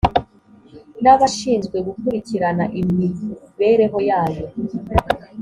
n abashinzwe gukurikirana imibereho yayo